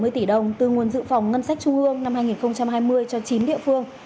năm mươi tỷ đồng từ nguồn dự phòng ngân sách trung ương năm hai nghìn hai mươi cho chín địa phương